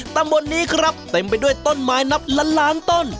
ตำบลนี้ครับเต็มไปด้วยต้นไม้นับล้านล้านต้น